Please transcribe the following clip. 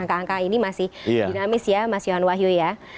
angka angka ini masih dinamis ya mas yohan wahyu ya